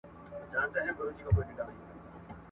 کتاب د انسان لپاره يو وفادار ملګری دی چي هېڅکله نه ستړي کيږي !.